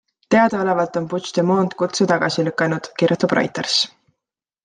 Teadaolevalt on Puigdemont kutse tagasi lükanud, kirjutab Reuters.